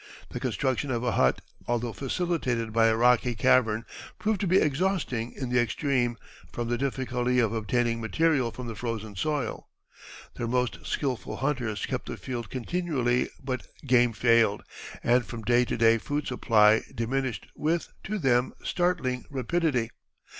The construction of a hut, although facilitated by a rocky cavern, proved to be exhausting in the extreme from the difficulty of obtaining material from the frozen soil. Their most skilful hunters kept the field continually, but game failed, and from day to day food supply diminished with, to them, startling rapidity.